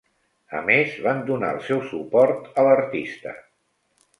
A més, van donar el seu suport a l'artista.